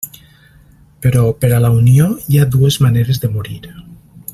Però per a la Unió hi ha dues maneres de morir.